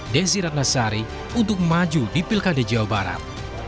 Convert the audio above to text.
desi ratnasari untuk maju di pilkada jawa barat